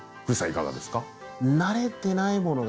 いかがですか？